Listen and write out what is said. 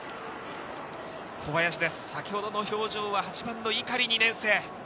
先ほどの表情は８番の碇、２年生。